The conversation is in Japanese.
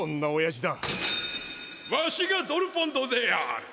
わしがドルポンドである！